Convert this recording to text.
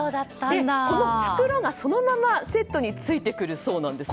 この袋が、そのままセットについてくるそうなんです。